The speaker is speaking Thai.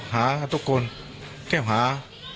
หากับทุกคนเที่ยวหา